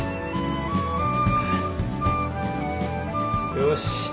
よし。